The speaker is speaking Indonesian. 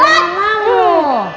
rumah emang loh